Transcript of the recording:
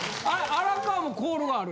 ・荒川もコールがある？